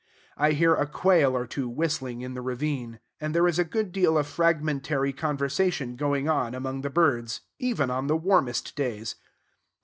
I hear a quail or two whistling in the ravine; and there is a good deal of fragmentary conversation going on among the birds, even on the warmest days.